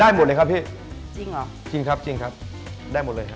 หมดเลยครับพี่จริงเหรอจริงครับจริงครับได้หมดเลย